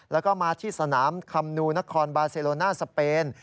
แล้วก็มาที่สนามคำนูนครบาเซโลน่าสเปน